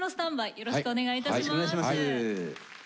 よろしくお願いします。